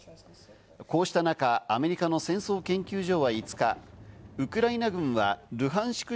こうした中、アメリカの戦争研究所は５日、ウクライナ軍はルハンシク